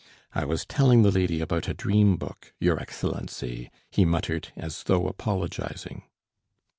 "I was telling the lady about a 'dream book,' your Excellency," he muttered as though apologising.